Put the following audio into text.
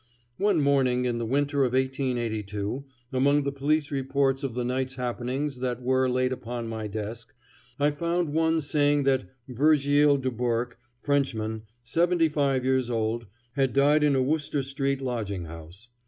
One morning in the winter of 1882, among the police reports of the night's happenings that were laid upon my desk, I found one saying that Virgile Dubourque, Frenchman, seventy five years old, had died in a Wooster street lodging house.